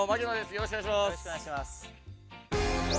よろしくお願いします。